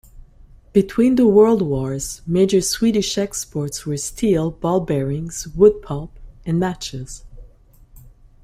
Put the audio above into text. Between the world wars, major Swedish exports were steel, ball-bearings, wood pulp, and matches.